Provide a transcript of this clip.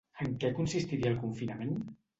En què consistiria el confinament?